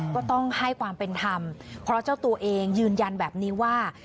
ก็ต้องให้ความเป็นธรรมเพราะเจ้าตัวเองยืนยันแบบนี้ว่า